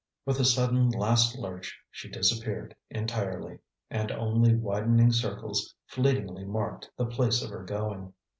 With a sudden last lurch she disappeared entirely, and only widening circles fleetingly marked the place of her going.